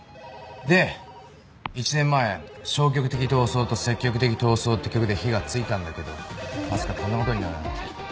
で１年前『消極的闘争と積極的逃走』って曲で火がついたんだけどまさかこんな事になるなんて。